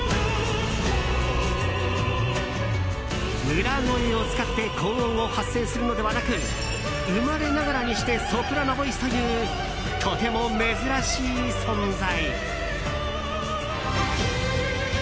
裏声を使って高音を発声するのではなく生まれながらにしてソプラノボイスというとても珍しい存在。